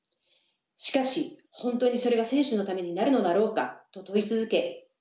しかし本当にそれが選手のためになるのだろうかと問い続け